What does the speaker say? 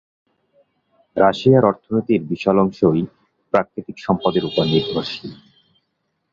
রাশিয়ার অর্থনীতির বিশাল অংশই প্রাকৃতিক সম্পদের উপর নির্ভরশীল।